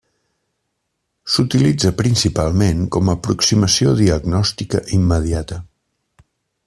S'utilitza principalment com a aproximació diagnòstica immediata.